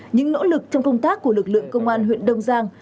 những nỗ lực trong công tác của lực lượng công an huyện đông giang